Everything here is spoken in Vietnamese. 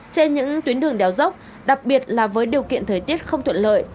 trên những tuyến đường đèo dốc đặc biệt là với điều kiện thời tiết không thuận lợi